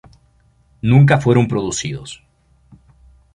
Nunca fueron producidos.